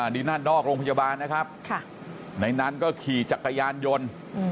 นี่นั่นนอกโรงพยาบาลนะครับในนั้นก็ขี่จักรยานยนต์